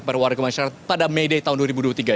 pada may day tahun dua ribu dua puluh tiga ini